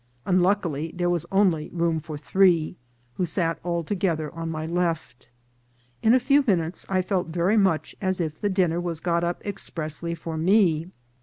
Unluckily, there was only room for three, who sat all together on my left. In a few minutes I felt very much as if the dinner was got up expressly for me.